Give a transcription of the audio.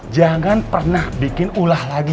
jangan pernah bikin ulah lagi